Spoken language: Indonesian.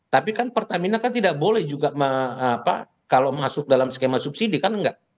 tapi kan pertamina kan tidak boleh juga kalau masuk dalam skema subsidi kan enggak